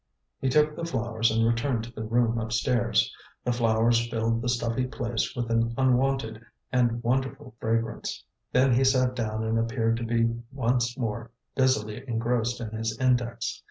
He took the flowers and returned to the room upstairs. The flowers filled the stuffy place with an unwonted and wonderful fragrance. Then he sat down and appeared to be once more busily engrossed in his index.